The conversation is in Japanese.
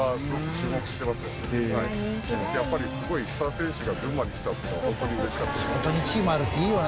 やっぱりすごいスター選手が群馬に来たっていうのはホントに嬉しかったですね。